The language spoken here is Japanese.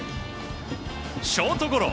ショートゴロ。